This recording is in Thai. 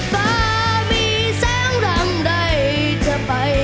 บ้ามีแสงรังใดจะไป